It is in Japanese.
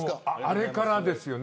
あれからですよね。